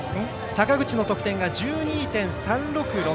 坂口の得点が１２．３６６